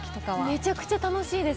めちゃくちゃ楽しいです。